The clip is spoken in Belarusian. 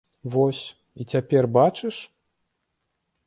Вось, і цяпер бачыш.